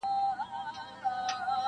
اوس به څوك رايادوي تېري خبري-